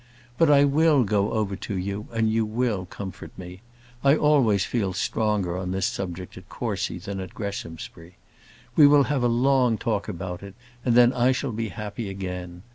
But I will go over to you, and you will comfort me. I always feel stronger on this subject at Courcy than at Greshamsbury. We will have a long talk about it, and then I shall be happy again.